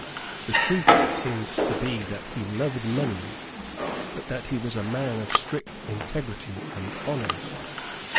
The truth seems to be that he loved money, but that he was a man of strict integrity and honour.